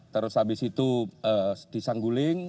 terus habis itu di sangguling